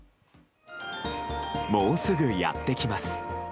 もうすぐやってきます。